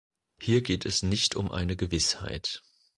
Hier geht es nicht um eine Gewissheit.